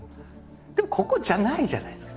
でもここじゃないじゃないですか。